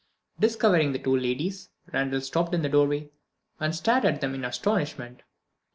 Discovering the two ladies, Randal stopped in the doorway, and stared at them in astonishment.